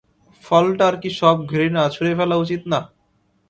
ফলটার কি সব ঘৃণা ছুড়ে ফেলা উচিত না?